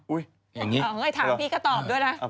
อย่างนี้ถามพี่ก็ตอบด้วยนะ